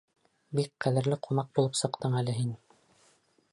Бик ҡәҙерле ҡунаҡ булып сыҡтың әле һин.